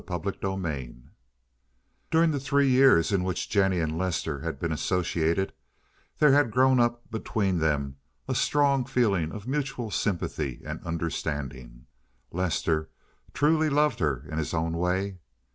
CHAPTER XXVIII During the three years in which Jennie and Lester had been associated there had grown up between them a strong feeling of mutual sympathy and understanding. Lester truly loved her in his own way.